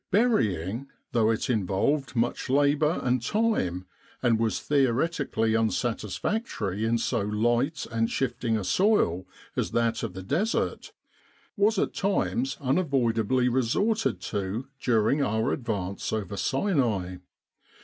Burying, though it involved much labour and time and was theoretically unsatisfactory in so light and shifting a soil as that of the Desert, was at times unavoidably resorted to during our advance over Sinai.